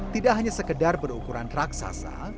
tidak hanya sekedar berukuran raksasa